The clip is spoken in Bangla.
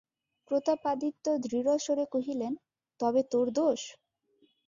প্রতাপাদিত্য দৃঢ়স্বরে কহিলেন, তবে তোর দোষ?